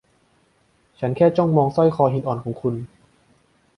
ฉันแค่จ้องมองสร้อยคอหินอ่อนของคุณ